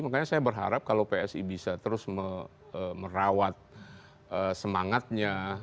makanya saya berharap kalau psi bisa terus merawat semangatnya